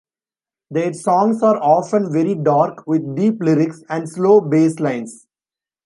Their songs are often very dark, with deep lyrics and slow bass lines.